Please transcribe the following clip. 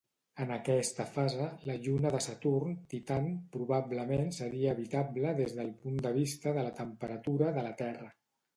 En aquesta fase, la lluna de Saturn Titan probablement seria habitable des del punt de vista de la temperatura de la Terra.